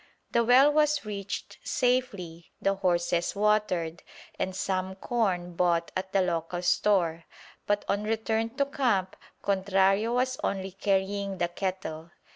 The well was reached safely, the horses watered, and some corn bought at the local store; but on return to camp Contrario was only carrying the kettle.